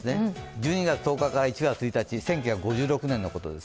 １２月１０日から１月１日、１９５６年のことです。